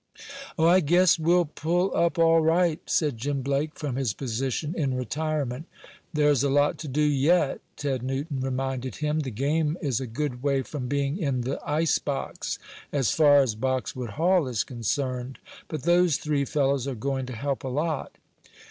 "Oh, I guess we'll pull up all right," said Jim Blake, from his position in retirement. "There's a lot to do yet," Ted Newton reminded him. "The game is a good way from being in the ice box, as far as Boxwood Hall is concerned. But those three fellows are going to help a lot."